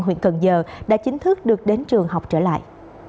huyện cần giờ đã chính thức được đến trường học trở lại